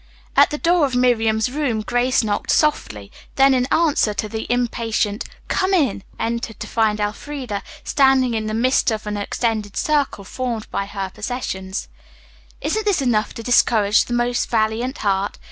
At the door of Miriam's room Grace knocked softly, then in answer to the impatient, "Come in," entered to find Elfreda standing in the midst of an extended circle formed by her possessions. "Isn't this enough to discourage the most valiant heart?"